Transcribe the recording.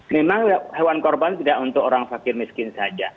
memang hewan korban tidak untuk orang fakir miskin saja